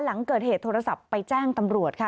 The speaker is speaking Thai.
หลังเกิดเหตุโทรศัพท์ไปแจ้งตำรวจค่ะ